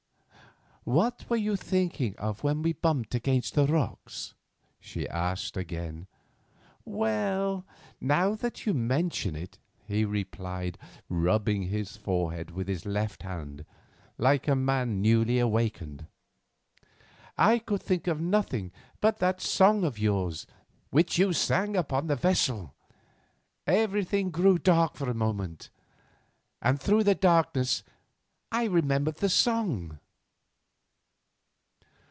"What were you thinking of when we bumped against the rocks?" she asked again. "Well, now that you mention it," he replied, rubbing his forehead with his left hand like a man newly awakened, "I could think of nothing but that song of yours, which you sang upon the vessel. Everything grew dark for an instant, and through the darkness I remembered the song."